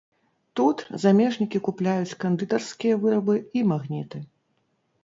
Тут замежнікі купляюць кандытарскія вырабы і магніты.